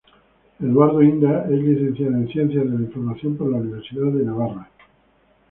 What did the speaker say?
Eduardo Inda es licenciado en Ciencias de la Información por la Universidad de Navarra.